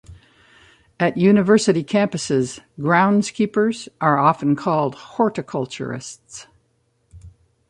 At university campuses, groundskeepers are often called horticulturists.